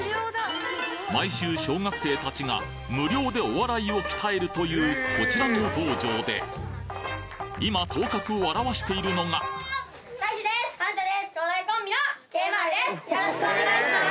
毎週小学生たちが無料でお笑いを鍛えるというこちらの道場で今頭角を現しているのがよろしくお願いします。